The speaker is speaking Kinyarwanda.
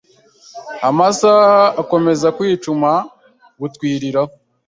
amasaha akomeza kwicuma butwiriraho,